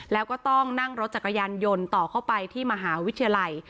แล้วก็ต้องนั่งรถจักรยานยนต์ต่อเข้าไปที่มหาวิทยาลัย